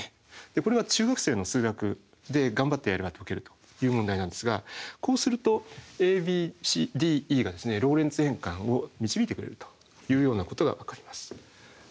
これは中学生の数学で頑張ってやれば解けるという問題なんですがこうするとＡＢＤＥがローレンツ変換を導いてくれるというようなことがわかります。